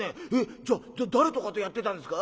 じゃあ誰とかとやってたんですか？』